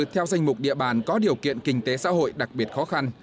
theo danh mục địa bàn có điều kiện kinh tế xã hội đặc biệt khó khăn